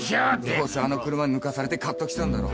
どうせあの車に抜かされてカッときたんだろ。